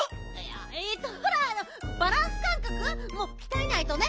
えっとほらあのバランスかんかくもきたえないとね。